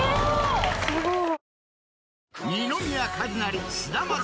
すごい。